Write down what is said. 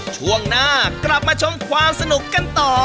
ช่วงหน้ากลับมาชมความสนุกกันต่อ